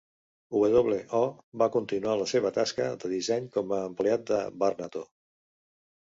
W. O. va continuar la seva tasca de disseny com a empleat de Barnato.